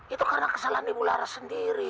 itu karena kesalahan ibu laras sendiri